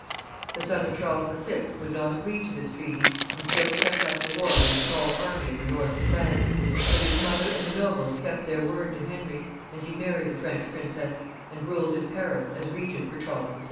The son of Charles VI. would not agree to this treaty, and still kept up the war with a small army in the north of France ; but his mother and the nobles kept their word to Henry, and he married the French Princess, and ruled in Paris, as regent for Charles VI.